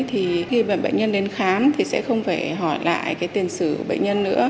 thì khi bệnh nhân đến khám thì sẽ không phải hỏi lại cái tiền sử của bệnh nhân nữa